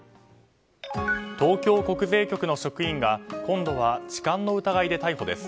東京国税局の職員が今度は痴漢の疑いで逮捕です。